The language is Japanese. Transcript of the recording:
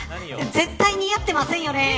絶対似合ってませんよね。